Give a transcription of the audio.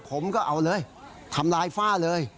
ผมก็เอาเลยทำลายฝ้าเลย